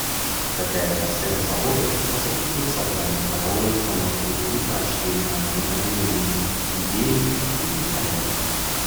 Такая атмосфера свободы способствует созданию здоровой обстановки и поощрению обмена мнениями, идеями и диалога.